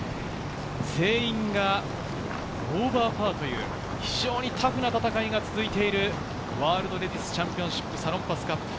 全員がオーバーパーという非常にタフな戦いが続いている、ワールドレディスチャンピオンシップサロンパスカップ。